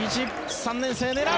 ３年生、狙う！